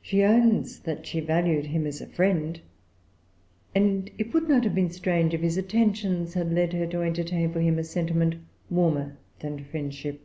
She owns that she valued him as a friend; and it would not have been strange if his attentions had led her to entertain for him a sentiment warmer than friendship.